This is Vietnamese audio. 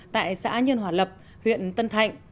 tại xã nhân hòa lập huyện tân thạnh